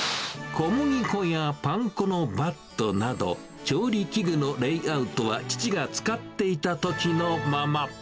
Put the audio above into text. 小麦粉やパン粉のバットなど、調理器具のレイアウトは父が使っていたときのまま。